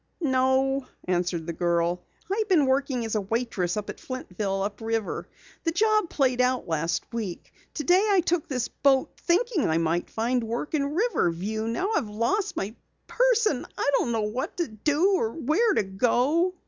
"No," answered the girl. "I've been working as a waitress at Flintville, up river. The job played out last week. Today I took this boat, thinking I might find work in Riverview. Now I've lost my purse and I don't know what to do or where to go."